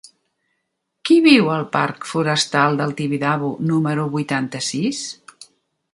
Qui viu al parc Forestal del Tibidabo número vuitanta-sis?